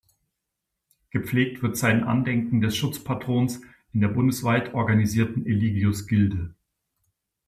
Gepflegt wird sein Andenken des Schutzpatrons in der bundesweit organisierten Eligius-Gilde.